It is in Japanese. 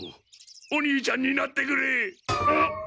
お兄ちゃんになってくれ！